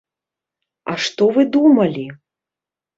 А што вы думалі?